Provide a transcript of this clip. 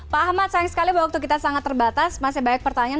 pak ahmad sayang sekali waktu kita sangat terbatas masih banyak pertanyaan